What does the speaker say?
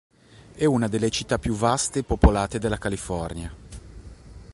È una delle città più vaste e popolate della California.